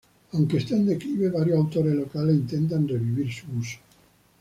Aunque está en declive, varios autores locales intentan revivir su uso.